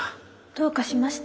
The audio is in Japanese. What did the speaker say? どうかしました？